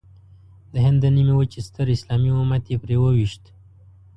د هند د نیمې وچې ستر اسلامي امت یې پرې وويشت.